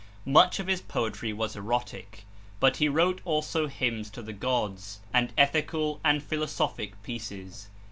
Much of his poetry was erotic; but he wrote also hymns to the gods, and ethical and philosophic pieces.